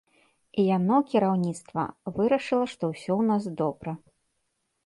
І яно, кіраўніцтва, вырашыла, што ўсё ў нас добра.